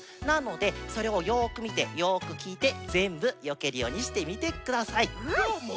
なのでそれをよくみてよくきいてぜんぶよけるようにしてみてください。